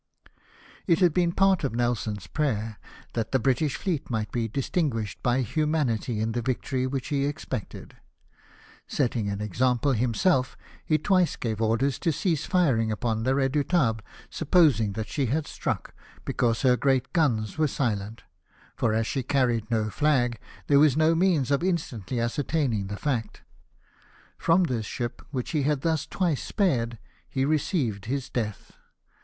It had been part of Nelson's prayer that the British fleet might be distinguished by humanity in the victory which he expected. Setting an example himself, he twice gave orders to cease firing upon the Redouhtahle, supposing that she had struck, because her great guns were silent ; for as she carried no flag, there was no means of instantly ascertaining the fact. From this ship, which he had thus twice spared, he received his death.